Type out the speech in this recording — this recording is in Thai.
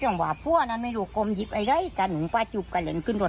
หรือนะคะยังนะคะ